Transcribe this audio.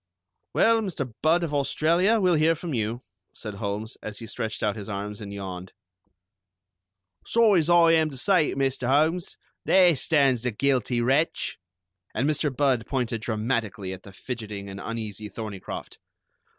"Well, Mr. Budd of Australia, we'll hear from you," said Holmes, as he stretched out his arms and yawned. "Sorry as I am to say it, Mr. Holmes, there stands the guilty wretch!" and Mr. Budd pointed dramatically at the fidgeting and uneasy Thorneycroft.